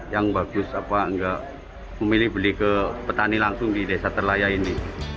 yang bagus apa enggak memilih beli ke petani langsung di desa terlaya ini